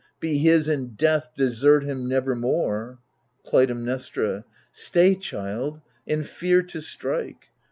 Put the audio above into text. Be his in death, desert him nevermore ! Clytemnestra Stay, child, and fear to strike.